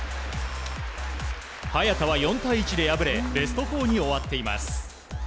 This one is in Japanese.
早田は４対１で敗れベスト４に終わっています。